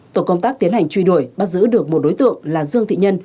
tổ công tác tiến hành truy đuổi bắt giữ được một đối tượng là dương thị nhân